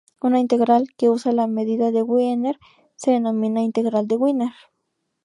Una integral que usa la medida de Wiener se denomina integral de Wiener.